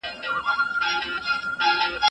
برنامه جوړه کړئ.